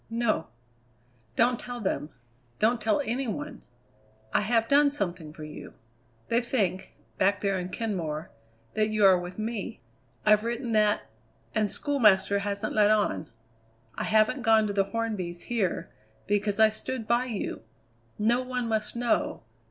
"No." "Don't tell them. Don't tell any one. I have done something for you! They think, back there in Kenmore, that you are with me. I've written that and schoolmaster hasn't let on. I haven't gone to the Hornbys here, because I stood by you. No one must know.